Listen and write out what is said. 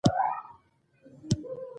یاري صاحب چیرې دی؟